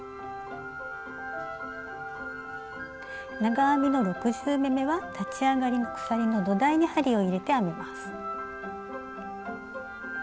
長編みの６０目めは立ち上がりの鎖の土台に針を入れて編みます。